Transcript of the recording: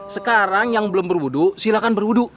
sekarang yang belum berwudu silahkan berwudu